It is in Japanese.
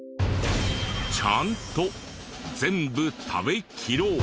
ちゃんと全部食べきろう。